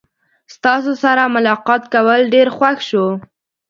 ستاسو سره ملاقات کول ډیر خوښ شو.